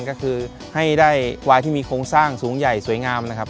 ก็คือให้ได้วายที่มีโครงสร้างสูงใหญ่สวยงามนะครับ